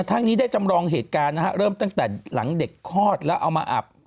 ทั้งนี้ได้จำลองเหตุการณ์นะฮะเริ่มตั้งแต่หลังเด็กคลอดแล้วเอามาอับ